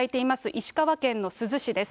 石川県の珠洲市です。